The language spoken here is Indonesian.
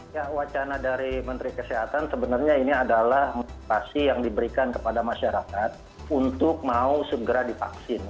ya wacana dari menteri kesehatan sebenarnya ini adalah motivasi yang diberikan kepada masyarakat untuk mau segera divaksin